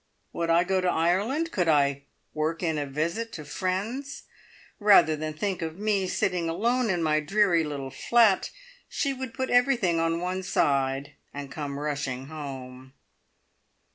Would I go to Ireland? Could I work in a visit to friends? Rather than think of me sitting alone in my dreary little flat, she would put everything on one side, and come rushing home.